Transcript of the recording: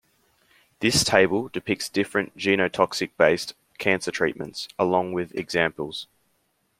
This table depicts different genotoxic-based cancer treatments along with examples.